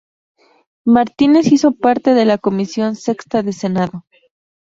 Martínez hizo parte de la Comisión Sexta de Senado.